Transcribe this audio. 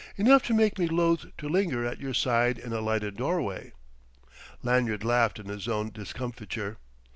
"Enough to make me loath to linger at your side in a lighted doorway!" Lanyard laughed in his own discomfiture.